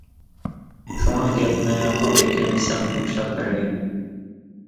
شۇڭا گەپنى ئابلىكىم سەن باشلاپ بەرگىن.